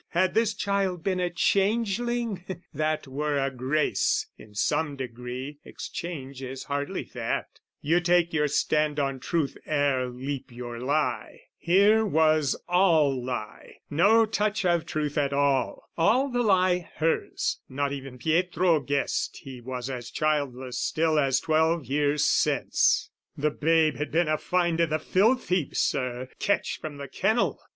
Had this child been a changeling, that were grace In some degree, exchange is hardly theft; You take your stand on truth ere leap your lie: Here was all lie, no touch of truth at all, All the lie hers not even Pietro guessed He was as childless still as twelve years since. The babe had been a find i' the filth heap, Sir, Catch from the kennel!